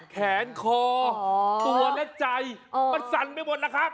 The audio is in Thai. แขนคอตัวและใจมันสั่นไปหมดแล้วครับ